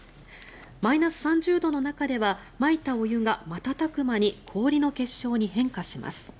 マイナス３０度の中ではまいたお湯が瞬く間に氷の結晶に変化します。